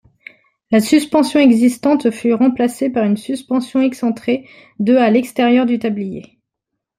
La suspension existante fut remplacée par une suspension excentrée de à l’extérieur du tablier.